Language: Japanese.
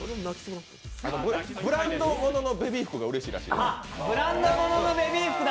ブランドもののベビー服がうれしいらしいよ。